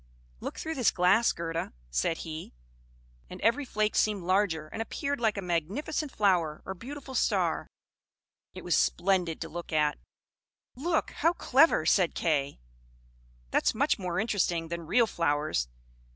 "Look through this glass, Gerda," said he. And every flake seemed larger, and appeared like a magnificent flower, or beautiful star; it was splendid to look at! "Look, how clever!" said Kay. "That's much more interesting than real flowers!